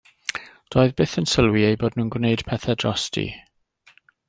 Doedd byth yn sylwi eu bod nhw'n gwneud pethau drosti.